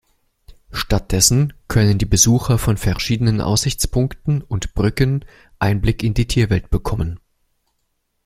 Stattdessen können die Besucher von verschiedenen Aussichtspunkten und Brücken Einblick in die Tierwelt bekommen.